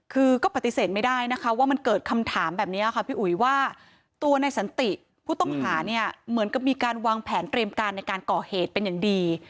คือก็ปฏิเสธไม่ได้นะคะว่ามันเกิดคำถามแบบนี้ค่ะพี่อุ๋ยว่าตัวในสันติผู้ต้องหาเนี่ยเหมือนกับมีการวางแผนเตรียมการในการก่อเหตุเป็นอย่างดี